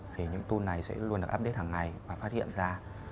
thì những tool này sẽ luôn được update hàng ngày và phát hiện ra